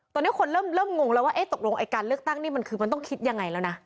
ตอนนี้คนเริ่มงงแล้วว่าตกลงไอ้การเลือกตั้งนี่มันคือมันต้องคิดยังไงแล้วนะ